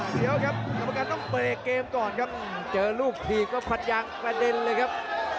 ปะอ่ะครับสักครู่ครับอู้วแต่ตอนนี้เลือดของคณะชายเล็กครับ